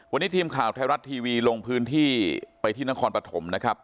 วันนี้ทีมข่าวไทยรัฐทีวีลงพื้นที่ไปที่นครปฐมนะครับ